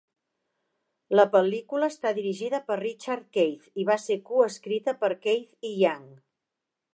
La pel·lícula està dirigida per Richard Keith i va ser coescrita per Keith i Young.